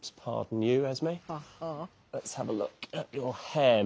はい。